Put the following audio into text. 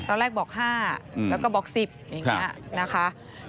ตอนแรกบอก๕แล้วก็บอก๑๐บาท